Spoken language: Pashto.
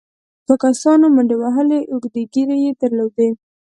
دوو کسانو منډې وهلې، اوږدې ږېرې يې درلودې،